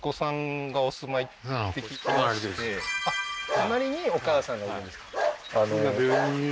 隣にお母さんがいるんですか？